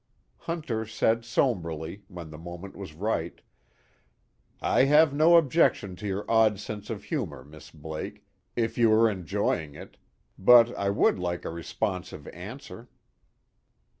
Hunter said somberly, when the moment was right: "I have no objection to your odd sense of humor, Miss Blake, if you are enjoying it. But I would like a responsive answer."